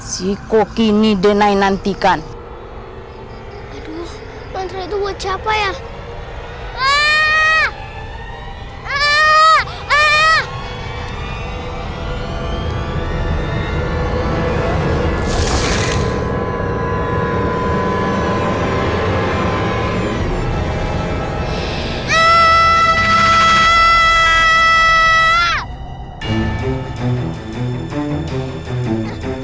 siku kini denai nantikan aduh mantra dua capai ah aaa aaa aaa